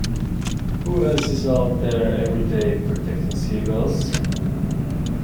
Who else is out there every day, protecting seagulls?